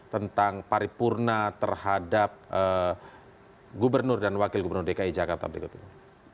tentang paripurna terhadap gubernur dan wakil gubernur dki jakarta berikut ini